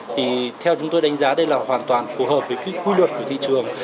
thì theo chúng tôi đánh giá đây là hoàn toàn phù hợp với cái quy luật của thị trường